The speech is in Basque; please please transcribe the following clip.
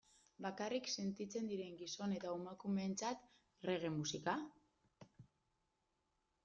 Bakarrik sentitzen diren gizon eta emakumeentzat reggae musika?